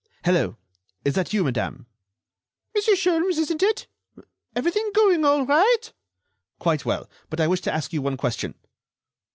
"Hello!... Is that you, madame?" "Monsieur Sholmes, isn't it? Everything going all right?" "Quite well, but I wish to ask you one question....